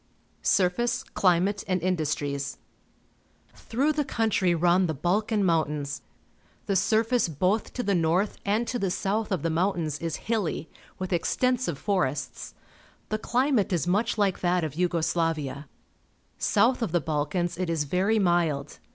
Surface, Climate, and Industries. — Through the country run the Balkan Mountains. The surface both to the north and to the south of the mountains is hilly, with extensive forests. The cUmate is much like that of Yugo Sla\aa. South of the Balkans it is very mild.